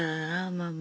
ママ。